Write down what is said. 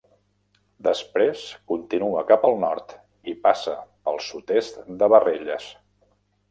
Després continua cap al nord i passa pel sud-est de Barrelles.